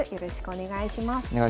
お願いします。